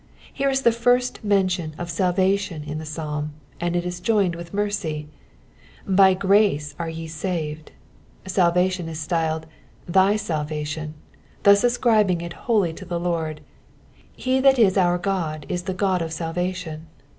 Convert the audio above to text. Here is the first mention of salvation in the psalm, and it is joined with mercy : ''By ^race are ye saved." Salvation is styled thy salvation," thus ascribing it wholly to the Lord: ''He that is our God is the God of salvation."